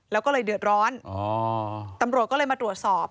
แล้วก็เลยเดือดร้อนตำรวจก็เลยมาตรวจสอบ